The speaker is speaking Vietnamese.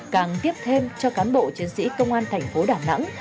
càng tiếp thêm cho cán bộ chiến sĩ công an thành phố đà nẵng